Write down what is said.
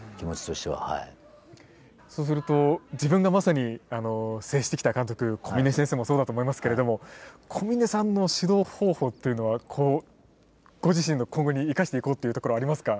そうすると自分がまさに接してきた監督小嶺先生もそうだと思いますけれども小嶺さんの指導方法っていうのはご自身の今後に生かしていこうっていうところはありますか？